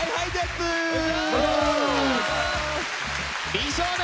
美少年！